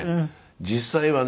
実際はね